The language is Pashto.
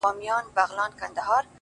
د رژېدلو باڼوگانو سره مينه لري!